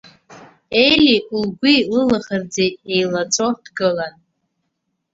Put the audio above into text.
Ели лгәи лылаӷырӡи еилаҵәо дгылан.